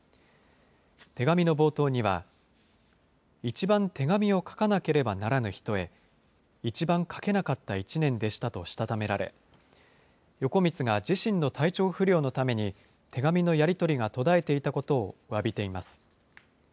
手紙の冒頭には、一番手紙を書かなければならぬ人へ、一番書けなかった一年でしたとしたためられ、横光が自身の体調不良のために手紙のやり取りが途絶えていたことをわびています。